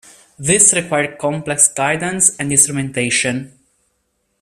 This required complex guidance and instrumentation.